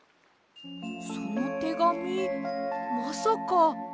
そのてがみまさか。